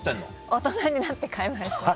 大人になって買いました。